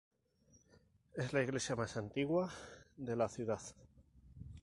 Es la iglesia más antigua de la ciudad.